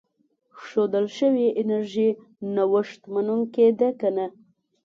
ښودل شوې انرژي نوښت منونکې ده که نه.